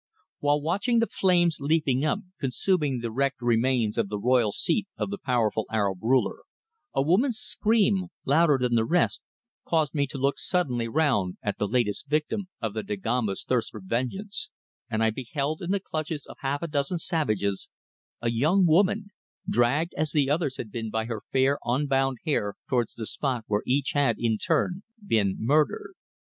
While watching the flames leaping up consuming the wrecked remains of the royal seat of the powerful Arab ruler, a woman's scream, louder than the rest, caused me to look suddenly round at the latest victim of the Dagombas' thirst for vengeance, and I beheld in the clutches of half a dozen savages, a young woman, dragged as the others had been by her fair, unbound hair towards the spot where each had, in turn, been murdered.